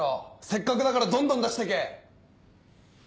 せっかくだからどんどん出してけ。